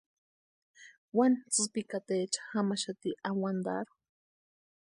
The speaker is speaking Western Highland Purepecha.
Wani tsïpikataecha jamaxati awantarhu.